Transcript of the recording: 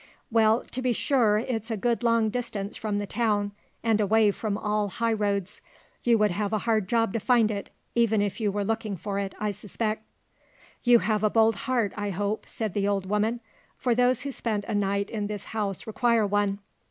"Well, to be sure it's a good long distance from the town, and away from all high roads. You would have a hard job to find it, even if you were looking for it, I suspect." "You have a bold heart, I hope," said the old woman, "for those who spend a night in this house require one."